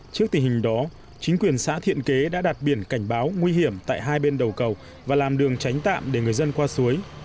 trước tình hình đó chính quyền xã thiện kế đã đặt biển cảnh báo nguy hiểm tại hai bên đầu cầu và làm đường tránh tạm để người dân qua suối